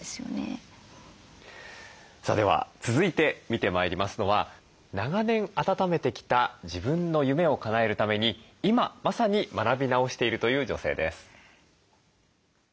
さあでは続いて見てまいりますのは長年あたためてきた自分の夢をかなえるために今まさに学び直しているという女性です。